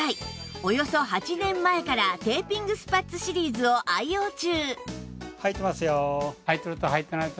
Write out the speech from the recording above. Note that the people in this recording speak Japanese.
およそ８年前からテーピングスパッツシリーズを愛用中